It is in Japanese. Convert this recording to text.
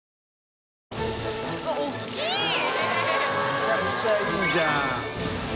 めちゃくちゃいいじゃん。